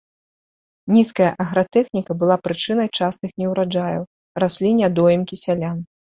Нізкая агратэхніка была прычынай частых неўраджаяў, раслі нядоімкі сялян.